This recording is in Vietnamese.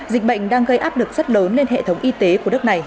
dịch bệnh đang gây áp lực rất lớn lên hệ thống y tế của nước này